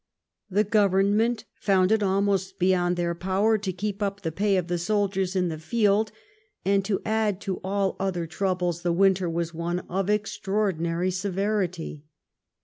The government found it almost beyond their power to keep up the pay of the soldiers in the field, and to add to all other troubles, the winter was one of extraordinary severity.